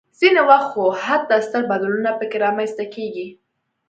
ځینې وخت خو حتی ستر بدلونونه پکې رامنځته کېږي.